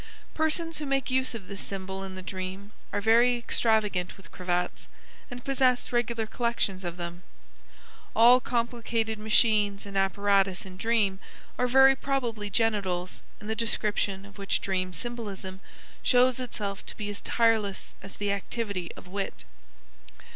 Persons who make use of this symbol in the dream are very extravagant with cravats, and possess regular collections of them. All complicated machines and apparatus in dream are very probably genitals, in the description of which dream symbolism shows itself to be as tireless as the activity of wit.